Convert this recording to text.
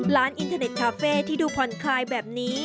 อินเทอร์เน็ตคาเฟ่ที่ดูผ่อนคลายแบบนี้